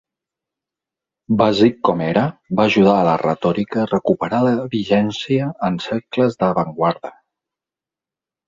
Bàsic com era, va ajudar la retòrica a recuperar la vigència en cercles d'avantguarda.